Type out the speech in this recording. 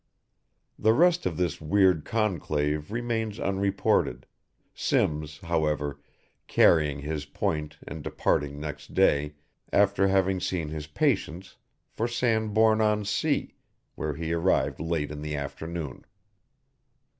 The rest of this weird conclave remains unreported, Simms, however, carrying his point and departing next day, after having seen his patients, for Sandbourne on Sea, where he arrived late in the afternoon.